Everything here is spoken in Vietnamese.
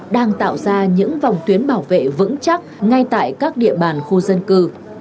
đang tạo ra những vòng tuyến bảo vệ vững chắc ngay tại các địa bàn khu dân cư